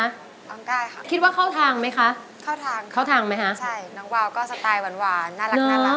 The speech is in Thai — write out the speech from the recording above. ร้องได้ค่ะคิดว่าเข้าทางไหมคะเข้าทางใช่น้องวาวก็สไตล์หวานน่ารัก